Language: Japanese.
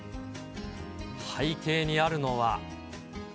背景にあるのは。